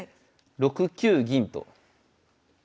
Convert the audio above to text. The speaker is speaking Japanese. ６九銀と。